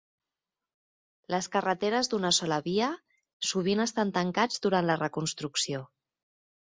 Les carreteres d'una sola via sovint estan tancats durant la reconstrucció.